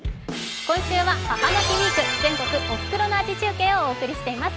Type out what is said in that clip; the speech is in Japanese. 今週は「母の日ウィーク全国”おふくろの味”中継」をお送りしています。